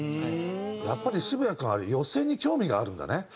やっぱり渋谷君あれ寄席に興味があるんだね。